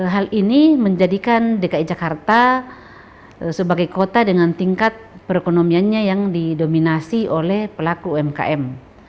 hal ini menjadikan dki jakarta sebagai kota dengan tingkat perekonomiannya yang didominasi oleh pelaku umkm